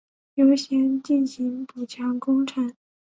优先进行补强工程